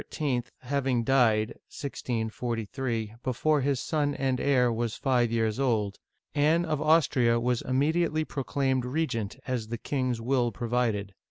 having died (1643) before his son and heir was five years old, Anne of Austria was immedi ately proclaimed regent, as the king's will provided.